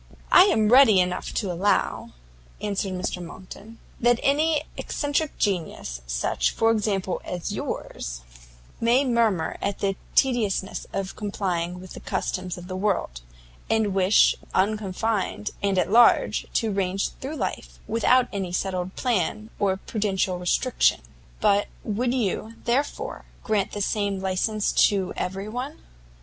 "I am ready enough to allow," answered Mr Monckton, "that an eccentric genius, such, for example, as yours, may murmur at the tediousness of complying with the customs of the world, and wish, unconfined, and at large, to range through life without any settled plan or prudential restriction; but would you, therefore, grant the same licence to every one?